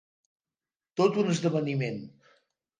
Tot un esdeveniment.